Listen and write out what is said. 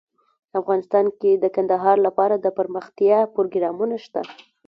افغانستان کې د کندهار لپاره دپرمختیا پروګرامونه شته.